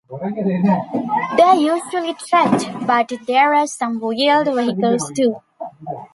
They are usually tracked, but there are some wheeled vehicles too.